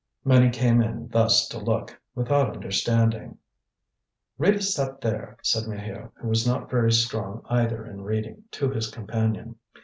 Many came in thus to look, without understanding. "Read us that there!" said Maheu, who was not very strong either in reading, to his companion.